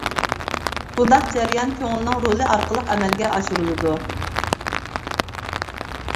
بۇنداق جەريان كۆڭۈلنىڭ رولى ئارقىلىق ئەمەلگە ئاشۇرۇلىدۇ.